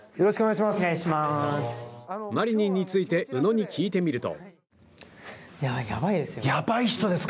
マリニンについて宇野に聞いてみると。